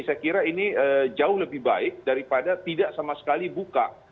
saya kira ini jauh lebih baik daripada tidak sama sekali buka